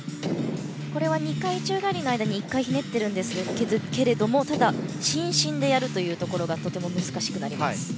これは２回宙返りの間に１回ひねってるんですけれどもただ、伸身でやるところがとても難しくなります。